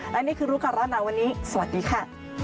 และนี่คือรุการแล้วนาววันนี้สวัสดีค่ะ